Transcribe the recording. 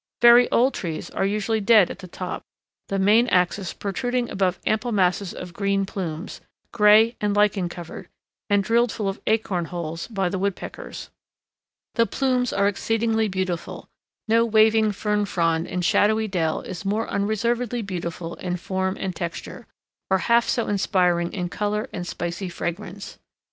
Very old trees are usually dead at the top, the main axis protruding above ample masses of green plumes, gray and lichen covered, and drilled full of acorn holes by the woodpeckers. The plumes are exceedingly beautiful; no waving fern frond in shady dell is more unreservedly beautiful in form and texture, or half so inspiring in color and spicy fragrance.